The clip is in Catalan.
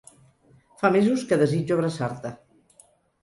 Fa mesos que desitjo abraçar-te.